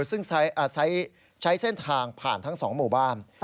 ซึ่งใช้เส้นทางผ่านทั้ง๒หมู่บ้าน